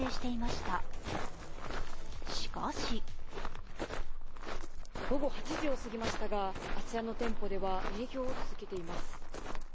しかし午後８時を過ぎましたが、あちらの店舗では営業を続けています。